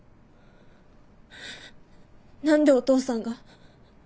何でお父さんが？